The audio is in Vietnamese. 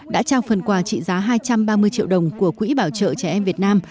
đã trao phần quà trị giá hai trăm ba mươi triệu đồng của quỹ bảo trợ trẻ em việt nam